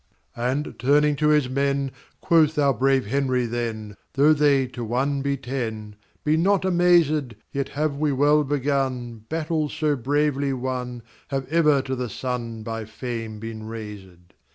And turning to his men, Quoth our brave Henry then: Though they to one be ten, Be not amazëd. Yet have we well begun, Battles so bravely won Have ever to the sun By fame been raisëd.